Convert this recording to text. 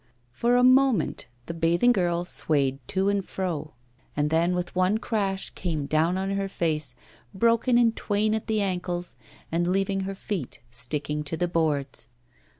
For a moment the bathing girl swayed to and fro, and then with one crash came down on her face, broken in twain at the ankles, and leaving her feet sticking to the boards.